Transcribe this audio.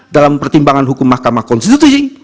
dalam pertimbangan hukum mahkamah konstitusi